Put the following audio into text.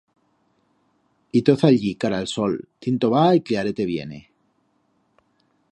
Y toz allí cara el sol tinto va y cllarete viene.